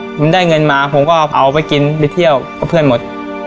ผมได้เงินมาผมก็เอาไปกินไปเที่ยวกับเพื่อนหมด